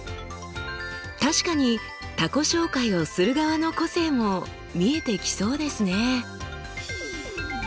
確かに他己紹介をする側の個性も見えてきそうですね。